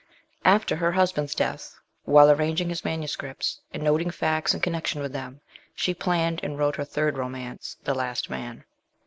After her husband's death, while arranging his MSS., and noting facts in connec tion with them, she planned and wrote her third romance, The Last Man.